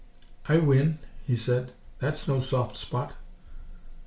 "I win," he said. "That's no soft spot."